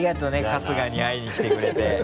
春日に会いに来てくれて。